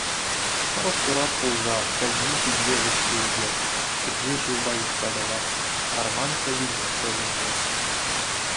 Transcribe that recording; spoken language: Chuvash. Хӑрӑк турат пулса кӗрхи ҫилпе вӗҫсе ӳкес, ҫурхи шывпа юхса каяс, арман пӗвине пӗвенес.